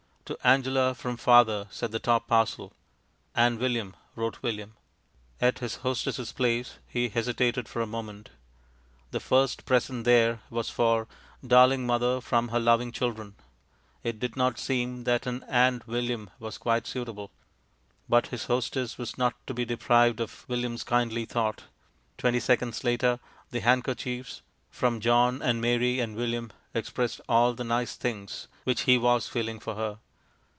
"To Angela from Father," said the top parcel. "And William," wrote William. At his hostess' place he hesitated for a moment. The first present there was for "Darling Mother, from her loving children." It did not seem that an "and William" was quite suitable. But his hostess was not to be deprived of William's kindly thought; twenty seconds later the handkerchiefs "from John and Mary and William" expressed all the nice things which he was feeling for her.